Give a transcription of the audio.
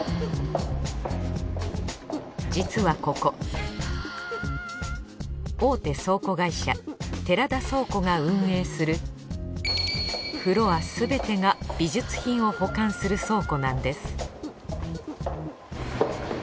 実はここ大手倉庫会社寺田倉庫が運営するフロアすべてが美術品を保管する倉庫なんです